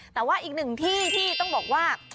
แต่ว่าอีกหนึ่งที่ที่ต้องบอกว่า